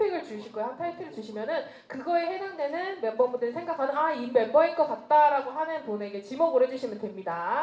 เข้าใจกฎิกาไหมครับ